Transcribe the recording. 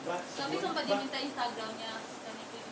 tapi sempat diminta instagramnya